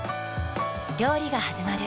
料理がはじまる。